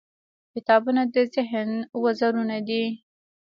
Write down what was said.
• کتابونه د ذهن وزرونه دي.